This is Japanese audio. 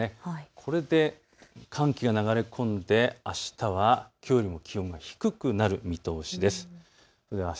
これで寒気が流れ込んであしたはきょうよりも気温が低くなる見通しです。